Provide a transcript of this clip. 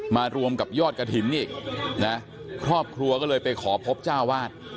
มารวมกับยอดกระถิ่นอีกนะครอบครัวก็เลยไปขอพบเจ้าวาด